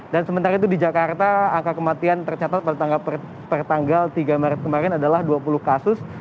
dan sementara itu di jakarta angka kematian tercatat per tanggal tiga maret kemarin adalah dua puluh kasus